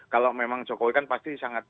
kalau memang jokowi kan pasti sangat